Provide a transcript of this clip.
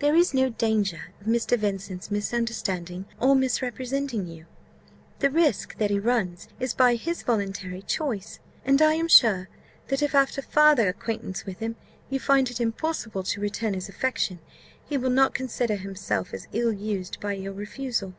"There is no danger of Mr. Vincent's misunderstanding or misrepresenting you. The risk that he runs is by his voluntary choice; and I am sure that if, after farther acquaintance with him, you find it impossible to return his affection, he will not consider himself as ill used by your refusal."